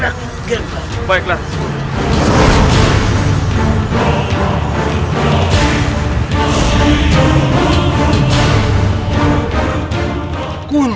aku memang tidak akan sendiri menjaga apapun